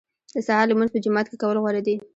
د سهار لمونځ په جومات کې کول غوره دي.